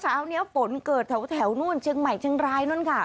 เช้านี้ฝนเกิดแถวนู่นเชียงใหม่เชียงรายนู่นค่ะ